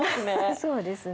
そうですね。